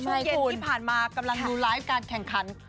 โมงเย็นที่ผ่านมากำลังดูไลฟ์การแข่งขัน